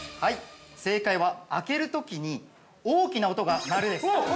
◆正解は、あけるときに大きな音が鳴るです。